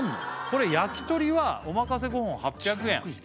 これ焼き鳥はお任せ５本８００円